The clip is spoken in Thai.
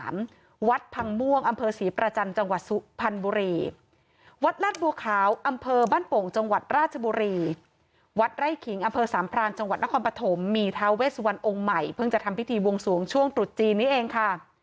อำเภอสามพรานจังหวัดนครปฐมมีท้าเวทสวรรณองค์ใหม่เพิ่งจะทั้งพิธีวงส่วงช่วงตุ๊ดจีนนี้เองค่ะ